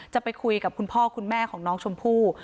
จะไปคุยกับคุณพ่อคุณแม่ของน้องชมพู่